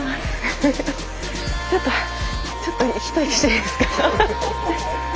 ちょっとちょっと一息していいですか？